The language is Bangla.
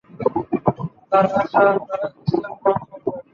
তার আশা, তারা ইসলাম গ্রহণ করবে।